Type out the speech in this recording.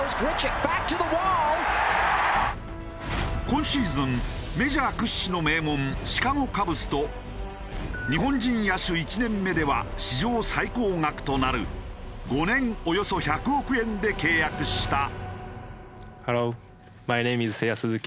今シーズンメジャー屈指の名門シカゴ・カブスと日本人野手１年目では史上最高額となる５年およそ１００億円で契約した。